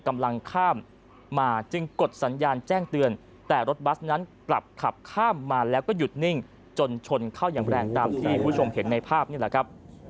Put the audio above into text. ดังนั้นกลับขับข้ามมาแล้วก็หยุดนิ่งจนชนเข้าอย่างแรงตามที่คุณผู้ชมเห็นในภาพนี่แหละครับ